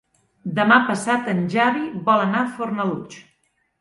Demà passat en Xavi vol anar a Fornalutx.